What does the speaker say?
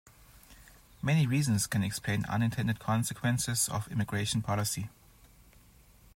Many reasons can explain unintended consequences of immigration policy.